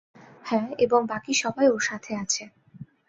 হ্যাঁ এবং বাকি সবাই ওর সাথে আছে।